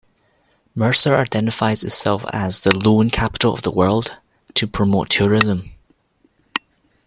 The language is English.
Mercer identifies itself as the "Loon Capital of the World" to promote tourism.